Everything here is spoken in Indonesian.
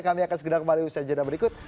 kami akan segera kembali bersajar di berikut